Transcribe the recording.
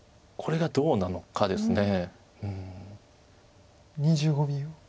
これがどうなのかです。